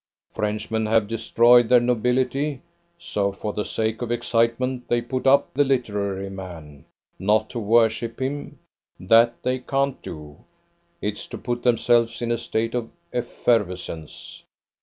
Frenchmen have destroyed their nobility, so, for the sake of excitement, they put up the literary man not to worship him; that they can't do; it's to put themselves in a state of effervescence.